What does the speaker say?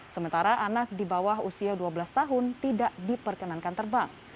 sementara anak di bawah usia dua belas tahun tidak diperkenankan terbang